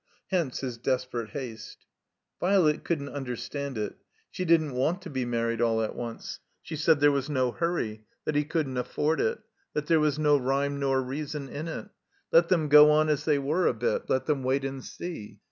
Hence his desperate haste. Violet couldn't tmderstand it. She didn't want to be married aU at once. She said there was no hurry; that he couldn't afford it; that there was no rime nor reason in it; let them go on as they were a bit; let them wait and see.